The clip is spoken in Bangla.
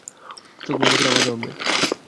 চোখ বন্ধ করে আমাকে ভাববে।